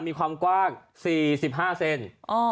มีความกว้าง๔๕เซน